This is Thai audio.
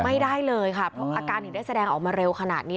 ไม่ได้เลยครับอาการอีกได้แสดงออกมาเร็วขนาดนี้